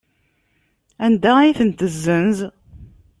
Anda ay ten-tessenz?